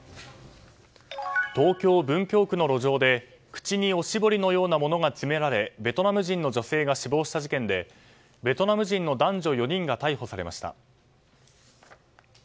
東京・文京区の路上で口におしぼりのようなものが詰められベトナム人の女性が死亡した事件でベトナム人の男女４人が逮捕されました。